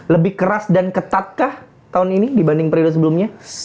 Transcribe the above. lebih keras dan ketatkah tahun ini dibanding periode sebelumnya